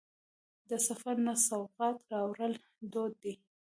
د سفر نه سوغات راوړل دود دی.